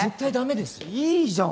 いいじゃん。